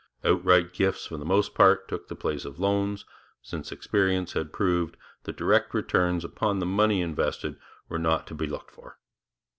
Outright gifts for the most part took the place of loans, since experience had proved that direct returns upon the money invested were not to be looked for.